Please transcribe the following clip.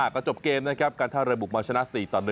ก็จบเกมนะครับการท่าเรือบุกมาชนะ๔ต่อ๑